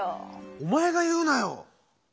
おまえがいうなよ！